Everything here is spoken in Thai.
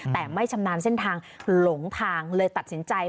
แต่ไม่ชำนาญเส้นทางหลงทางเลยตัดสินใจ